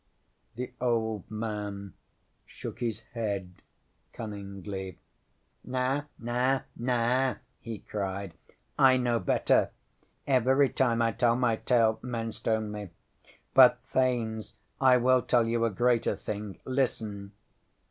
ŌĆØ ŌĆśThe old man shook his head cunningly. ŌĆ£Na Na Na! ŌĆØ he cried. ŌĆ£I know better. Every time I tell my tale men stone me. But, Thanes, I will tell you a greater thing. Listen!